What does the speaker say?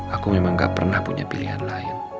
aku memang gak pernah punya pilihan lain